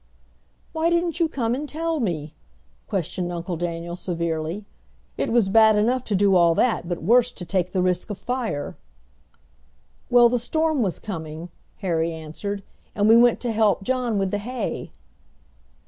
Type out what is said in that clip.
"Why didn't you come and tell me?" questioned Uncle Daniel severely. "It was bad enough to do all that, but worse to take the risk of fire!" "Well, the storm was coming," Harry answered, "and we went to help John with the hay!"